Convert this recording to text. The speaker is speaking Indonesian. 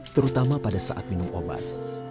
terutama pada saat minum obat